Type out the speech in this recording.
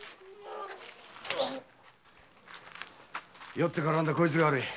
酔って絡んだこいつが悪い。